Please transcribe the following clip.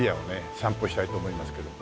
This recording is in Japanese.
散歩したいと思いますけども。